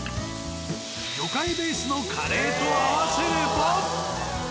魚介ベースのカレーと合わせれば。